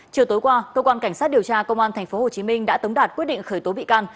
chiều tối qua cơ quan cảnh sát điều tra công an tp hcm đã tống đạt quyết định khởi tố bị can